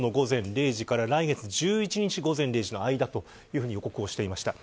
それが今日の午前０時から来月１１日午前０時の間という予告をしていました。